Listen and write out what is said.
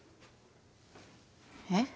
えっ？